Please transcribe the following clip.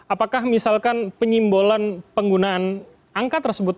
apakah misalkan penyimbolan penggunaan angka tersebut